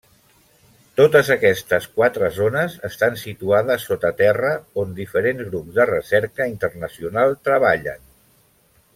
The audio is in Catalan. Totes aquestes quatre zones estan situades sota terra on diferents grups de recerca internacional treballen.